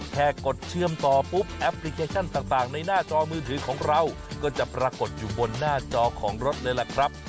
กดเชื่อมต่อปุ๊บแอปพลิเคชันต่างในหน้าจอมือถือของเราก็จะปรากฏอยู่บนหน้าจอของรถเลยล่ะครับ